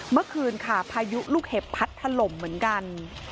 เมื่อคืนค่ะพายุลูกเห็บพัดถล่มเหมือนกัน